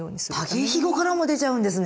竹ひごからも出ちゃうんですね！